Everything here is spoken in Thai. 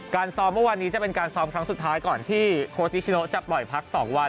ซ้อมเมื่อวานนี้จะเป็นการซ้อมครั้งสุดท้ายก่อนที่โค้ชนิชิโนจะปล่อยพัก๒วัน